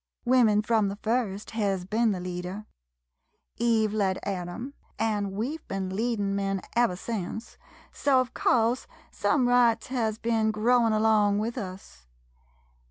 Women frum the first hez ben the leader — Eve led Adam, an' we 've ben leadin' men ever sence, so of course some rights hez ben growin' along with us.